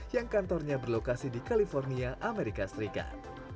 yang kantornya berlokasi di new york amerika serikat